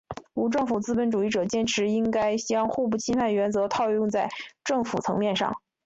无政府资本主义者坚持应该将互不侵犯原则套用在政府层面上。